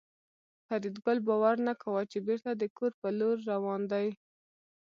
فریدګل باور نه کاوه چې بېرته د کور په لور روان دی